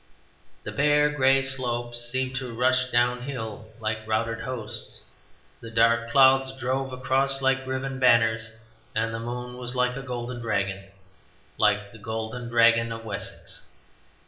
The bare grey slopes seemed to rush downhill like routed hosts; the dark clouds drove across like riven banners; and the moon was like a golden dragon, like the Golden Dragon of Wessex.